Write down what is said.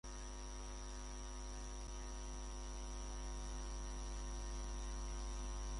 Indígena quechua y campesina aprendió a leer y fue promotora de lectura.